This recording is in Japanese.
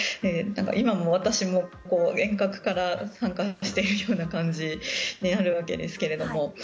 今も私も遠隔から参加してるような感じになるわけですけど。